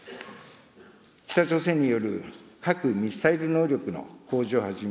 北朝鮮による核・ミサイル能力の向上はじめ、